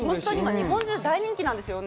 日本中、大人気なんですよね。